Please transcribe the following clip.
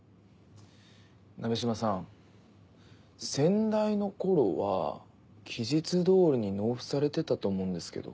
鍋島さん先代の頃は期日通りに納付されてたと思うんですけど。